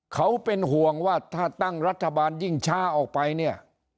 เขาเป็นห่วงว่าถ้าตั้งรัฐบาลยิ่งช้าออกไปเนี่ย